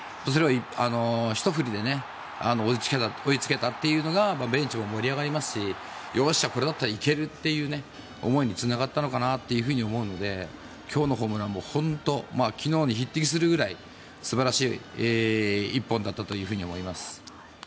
ひと振りで追いつけたというのがベンチも盛り上がりますしよっしゃ、これだったら行けるという思いにつながったのかなと思うので今日のホームランも本当、昨日に匹敵するぐらい素晴らしい一本だったと思います。